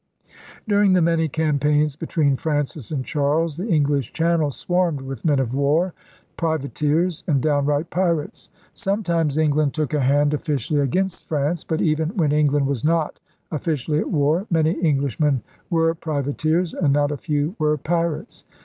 During the many campaigns between Francis and Charles the English Channel swarmed with men of war, privateers, and downright pirates. Sometimes England took a hand oflScially against France. But, even when England was not offi cially at war, many Englishmen were privateers and not a few were pirates.